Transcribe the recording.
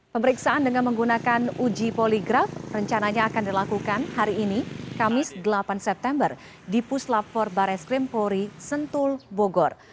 pemeriksaan dengan menggunakan uji poligraf rencananya akan dilakukan hari ini kamis delapan september di puslap empat barreskrimpori sentul bogor